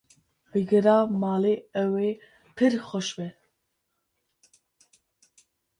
Vegera malê ew ê pir xweş be.